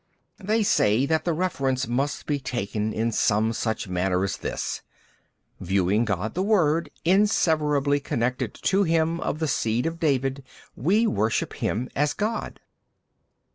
B. They say that the reference must be taken in some such manner as this: viewing God the Word inseverably connected to him of the seed of David we worship him as God.